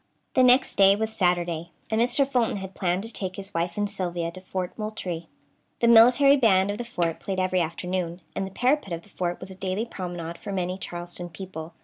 The next day was Saturday, and Mr. Fulton had planned to take his wife and Sylvia to Fort Moultrie. The military band of the fort played every afternoon, and the parapet of the fort was a daily promenade for many Charleston people.